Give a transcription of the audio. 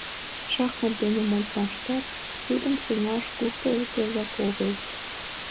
Шахмат дене модмаштат тудым сеҥаш куштылгыжак огыл.